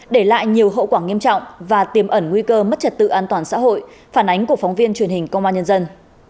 để lại nhiều hậu quả nghiêm trọng và tiềm ẩn nguy cơ mất trật tự an toàn xã hội phản ánh của phóng viên truyền hình công an nhân dân